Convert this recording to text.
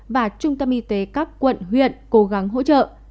và trung tâm y tế các quận huyện cố gắng hỗ trợ